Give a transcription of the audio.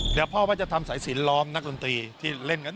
เดี๋ยวพ่อว่าจะทำสายสินล้อมนักดนตรีที่เล่นกัน